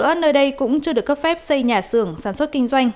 hơn nữa nơi đây cũng chưa được cấp phép xây nhà xưởng sản xuất kinh doanh